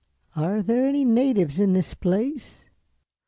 "Are there any natives in this place?"